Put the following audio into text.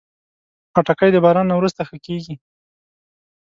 خټکی د باران نه وروسته ښه کېږي.